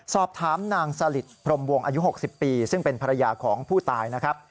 สอบถามนางสลิดพรมวงอายุ๖๐ปีซึ่งเป็นภรรยาของผู้ตายนะครับ